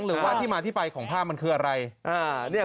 หรือว่าที่มาที่ไปของภาพมันคืออะไร